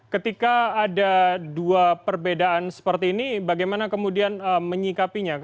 ketika ada dua perbedaan seperti ini bagaimana kemudian menyikapinya